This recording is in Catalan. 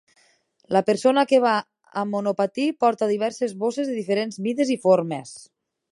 La persona que va amb monopatí porta diverses bosses de diferents mides i formes.